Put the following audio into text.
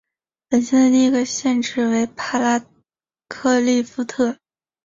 本县的第一个县治为帕拉克利夫特。